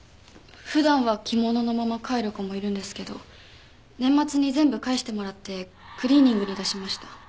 普段は着物のまま帰る子もいるんですけど年末に全部返してもらってクリーニングに出しました。